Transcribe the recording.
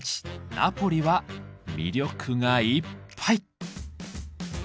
ナポリは魅力がいっぱい！